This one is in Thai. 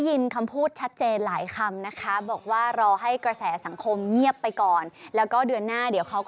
เพราะผู้ใหญ่บ้านอย่าแต่งตั้งผู้ช่วยนะครับ